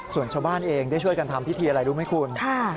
ส่วนชาวบ้านเองได้ช่วยกันทำพิธีอะไรรู้ไหมคุณ